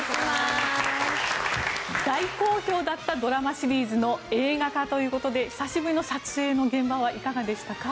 大好評だったドラマシリーズの映画化ということで久しぶりの撮影はいかがでしたか。